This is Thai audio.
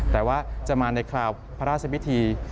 แต่ว่าจะมาในคราวพระราชพิธี